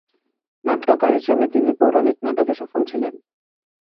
নাট্যকার হিসাবে তিনি পৌরানিক নাটকে সফল ছিলেন।